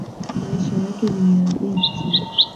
Maisha yake ni ya dhiki.